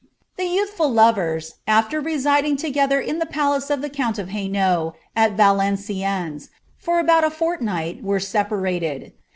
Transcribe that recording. The ynuihftd lovers, after residing together in the palace of the count of HainaulL, at Valenciennei, for about a fortnight, were separated.